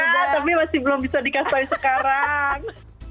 ada tapi masih belum bisa dikasih sekarang